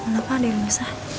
gapapa ada yang bisa